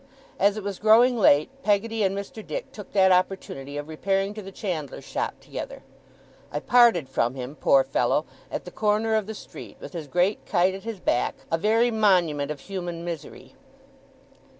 As it was growing late, Peggotty and Mr. Dick took that opportunity of repairing to the chandler's shop together. I parted from him, poor fellow, at the corner of the street, with his great kite at his back, a very monument of human misery.